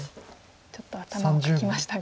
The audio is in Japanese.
ちょっと頭をかきましたが。